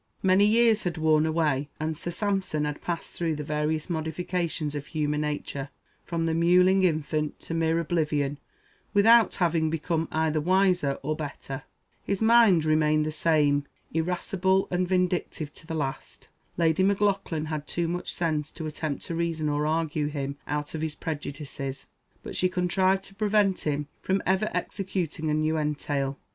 Many years had worn away, and Sir Sampson had passed through the various modifications of human nature, from the "mewling infant" to "mere oblivion," without having become either wiser or better. His mind remained the same irascible and vindictive to the last. Lady Maclaughlan had too much sense to attempt to reason or argue him out of his prejudices, but she contrived to prevent him from ever executing a new entail.